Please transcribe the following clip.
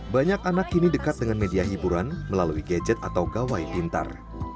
banyak anak kini dekat dengan media hiburan melalui gadget atau gawai pintar